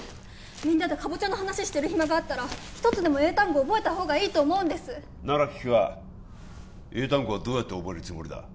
みんなでかぼちゃの話してる暇があったら一つでも英単語覚えた方がいいと思うんですなら聞くが英単語はどうやって覚えるつもりだ？